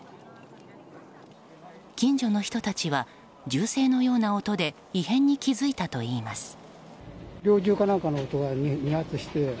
近所の人たちは銃声のような音で異変に気付いたといいます。